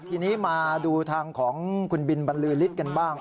ทีนี้มาดูทางของคุณบินบรรลือฤทธิ์กันบ้าง